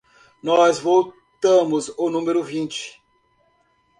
Nós votamos o número vinte.